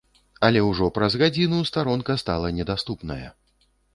Але ўжо праз гадзіну старонка стала недаступная.